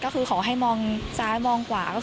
ก็คือขอให้มองซ้ายมองขวาก็คือ